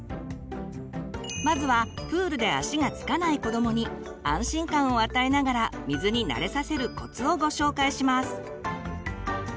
まずはプールで足が着かない子どもに安心感を与えながら水に慣れさせるコツをご紹介します！